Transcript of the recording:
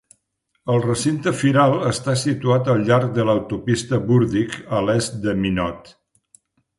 El recinte firal està situat al llarg de l'autopista Burdick a l'est de Minot.